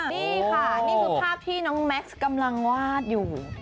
นี่ค่ะนี่คือภาพที่น้องแม็กซ์กำลังวาดอยู่